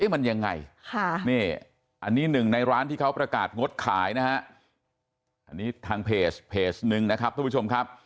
มันยังไงนี่อันนี้หนึ่งในร้านที่เขาประกาศงดขายนะฮะอันนี้ทางเพจเพจหนึ่งนะครับทุกผู้ชมครับ